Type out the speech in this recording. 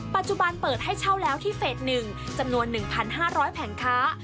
ปัจจุบันเปิดให้เช่าแล้วที่เฟส๑จำนวน๑๕๐๐แผงค้า